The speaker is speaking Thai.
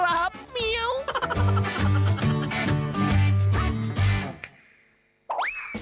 ไปใช้แล้วได้ผลยังไงมาบอกกันบ้างนะครับ